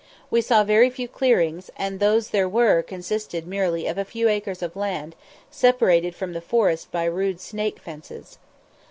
We saw very few clearings, and those there were consisted merely of a few acres of land, separated from the forest by rude "snake fences."